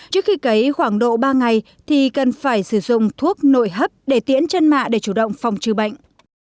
trước khi cấy khoảng độ ba ngày thì cần phải sử dụng thuốc nội hấp để tiễn chân mạ để chủ động phòng trừ bệnh